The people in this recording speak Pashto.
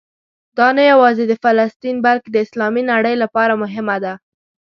دا نه یوازې د فلسطین بلکې د اسلامي نړۍ لپاره مهمه ده.